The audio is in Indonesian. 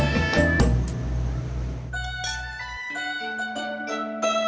ya pat teman gue